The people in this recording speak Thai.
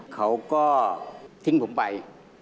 เขาก็ทิ้งผมไป